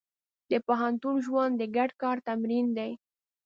د پوهنتون ژوند د ګډ کار تمرین دی.